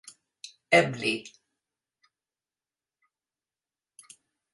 ebli